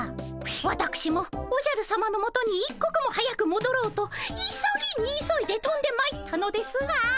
わたくしもおじゃるさまのもとに一刻も早くもどろうと急ぎに急いでとんでまいったのですが。